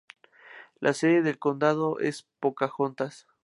La sede del condado es Pocahontas.